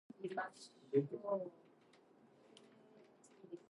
Like most other emeralds, the downy emerald has bright shiny green eyes.